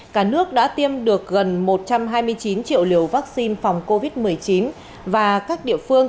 cả nước đã tiêm được gần một trăm hai mươi chín triệu liều vaccine phòng covid một mươi chín và các địa phương